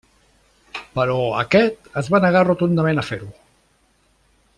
Però aquest es va negar rotundament a fer-ho.